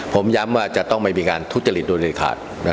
ผมย้ำว่าจะต้องไม่มีการทุกจริงโดยลิขาดนะครับ